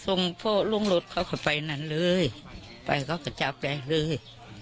ส่งพวกลุงรถเข้ากันไปนั้นเลยไปเข้ากับเจ้าแปลงเลย